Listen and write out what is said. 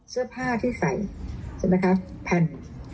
เสื้อผ้าที่ใส่ใช่ไหมคะแผ่น